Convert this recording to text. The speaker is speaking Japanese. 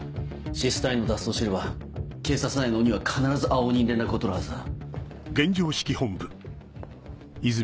ＳＩＳ隊員の脱走を知れば警察内の鬼は必ず青鬼に連絡を取るはずだ。